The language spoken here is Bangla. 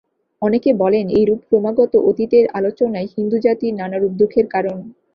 অনেকে বলেন, এইরূপ ক্রমাগত অতীতের আলোচনাই হিন্দুজাতির নানারূপ দুঃখের কারণ।